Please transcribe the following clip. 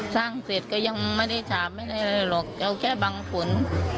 เสร็จก็ยังไม่ได้ถามไม่ได้อะไรหรอกเอาแค่บางผล